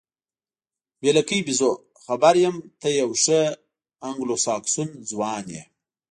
بې لکۍ بیزو، خبر یم، ته یو ښه انګلوساکسون ځوان یې.